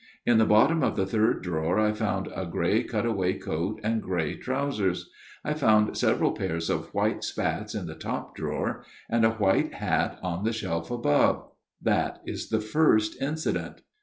In the bottom of the third drawer I found a grey cut away coat and grey trousers ; I found several pairs of white spats in the top drawer ; and a white hat on the shelf above. That is the first incident."